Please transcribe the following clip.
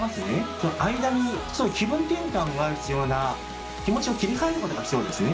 その間にちょっと気分転換が必要な気持ちを切り替えることが必要ですね。